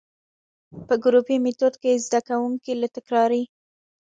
په ګروپي ميتود کي زده کوونکي له تکراري،